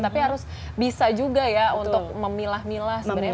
tapi harus bisa juga ya untuk memilah milah sebenarnya